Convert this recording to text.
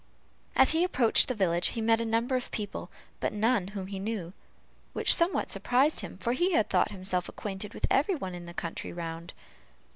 As he approached the village, he met a number of people, but none whom he new, which somewhat surprised him, for he had thought himself acquainted with every one in the country round.